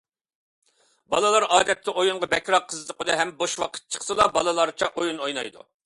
بالىلار ئادەتتە ئويۇنغا بەكرەك قىزىقىدۇ ھەم بوش ۋاقىت چىقسىلا بالىلارچە ئويۇن ئوينايدۇ.